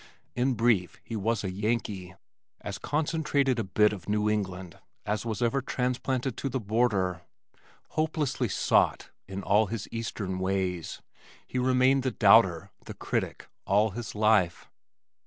In brief he was a Yankee, as concentrated a bit of New England as was ever transplanted to the border. Hopelessly "sot" in all his eastern ways, he remained the doubter, the critic, all his life.